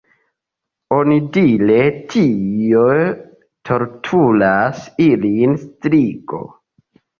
Onidire tie torturas ilin strigo.